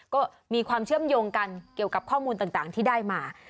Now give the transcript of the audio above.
ก็มีความเชื่อมโยงกันเกี่ยวกับข้อมูลต่างที่ได้มา